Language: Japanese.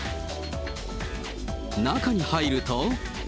中に入ると。